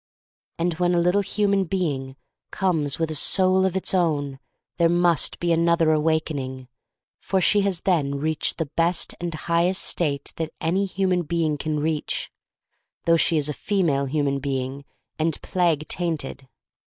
And when a little human being comes with a soul of its own there must be another awakening, for she has then reached the best and highest state that any human being can reach, though she is a female human being, and plague tainted.